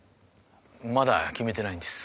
まだ決めてないんです。